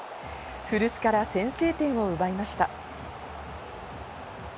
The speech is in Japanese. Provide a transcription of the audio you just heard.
古巣から先制点を奪いました。